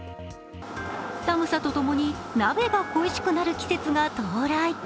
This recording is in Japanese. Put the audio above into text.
寒さとともに鍋が恋しくなる季節が到来。